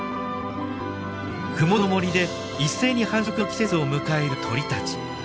麓の森で一斉に繁殖の季節を迎える鳥たち。